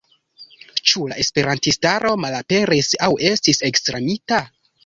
Ĉu la esperantistaro malaperis aŭ estis ekstermita?